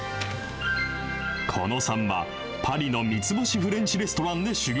狐野さんは、パリの３つ星フレンチレストランで修業。